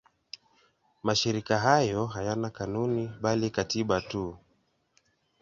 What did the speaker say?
Mashirika hayo hayana kanuni bali katiba tu.